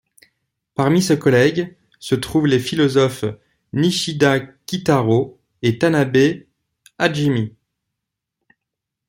Parmi ses collègues, se trouvent les philosophes Nishida Kitarō et Tanabe Hajime.